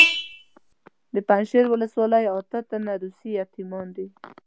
د پنجشیر ولسوالۍ اته تنه روسي یتیمان دي.